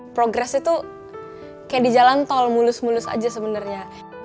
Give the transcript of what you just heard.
progres itu kayak di jalan tol mulus mulus aja sebenarnya